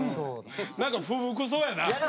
何か不服そうやな。